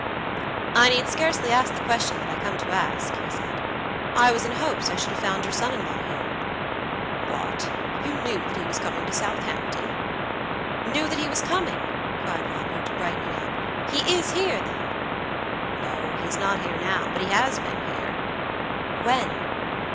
"I need scarcely ask the question that I come to ask," he said; "I was in hopes I should have found your son in law here." "What! you knew that he was coming to Southampton?" "Knew that he was coming?" cried Robert, brightening up. "He is here, then?" "No, he is not here now; but he has been here." "When?"